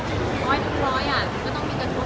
ช่องความหล่อของพี่ต้องการอันนี้นะครับ